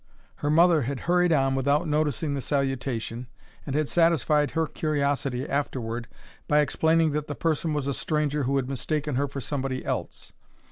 Her mother had hurried on without noticing the salutation, and had satisfied her curiosity afterward by explaining that the person was a stranger who had mistaken her for somebody else.